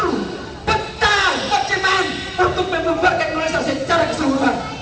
jumlah percintaan untuk membuat kemerdekaan indonesia secara keseluruhan